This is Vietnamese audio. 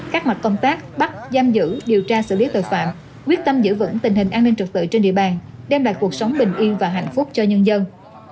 các mặt công tác bắt giam giữ điều tra xử lý tội phạm quyết tâm giữ vững tình hình an ninh trực tự trên địa bàn đem lại cuộc sống bình yên và hạnh phúc cho nhân dân